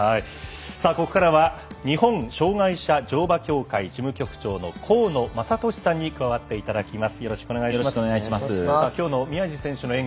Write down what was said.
ここからは日本障がい者乗馬協会事務局長の河野正寿さんに加わっていただきます。